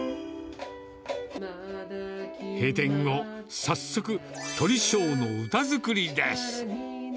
閉店後、早速、鳥正の歌作りです。